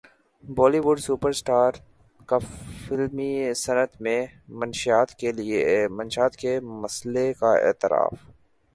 بولی would superstar کا فلمی صنعت میں منشیات کے مسئلے کا اعتراف